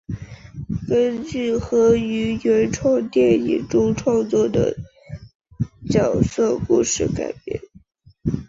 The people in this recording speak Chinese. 根据和于原创电影中创作的角色故事改编。